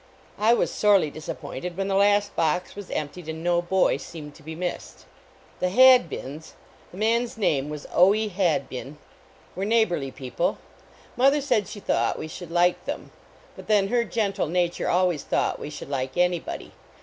I was sorely disap pointed when the last box was emptied and no boy seemed to be missed. The Hadbins the man s name was O. K. 144 A NKKiHBORLV NEIGHBORHOOD Hadbin \\vre neighborly people. Mother said she thought we should like them; but tlu n lu r gentle nature always thought \vc should like anybody.